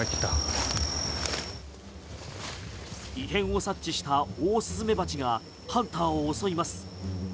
異変を察知したオオスズメバチがハンターを襲います。